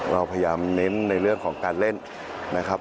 เราพยายามเน้นในเรื่องของการเล่นนะครับ